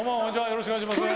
よろしくお願いします。